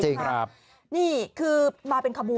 จริงครับ